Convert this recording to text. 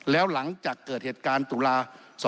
แล้วหลังจากเกิดเหตุการณ์ตุลา๒๕๖